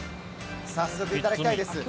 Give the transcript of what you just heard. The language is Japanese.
早速いただきたいです。